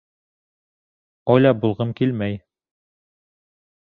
«Оля булғым килмәй»